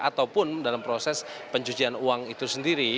ataupun dalam proses pencucian uang itu sendiri